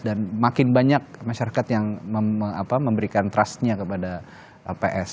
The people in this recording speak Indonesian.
dan makin banyak masyarakat yang memberikan trustnya kepada lps